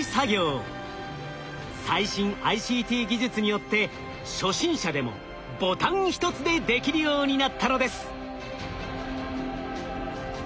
最新ＩＣＴ技術によって初心者でもボタン１つでできるようになったのです。